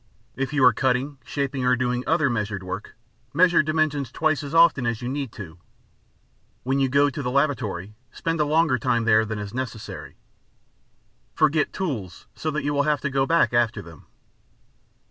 If you are cutting, shaping or doing other measured work, measure dimensions twice as often as you need to. When you go to the lavatory, spend a longer time there than is necessary. Forget tools so that you will have to go back after them.